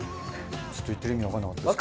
ちょっと言ってる意味わかんなかったですけど。